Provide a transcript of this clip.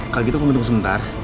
kalau gitu kami tunggu sebentar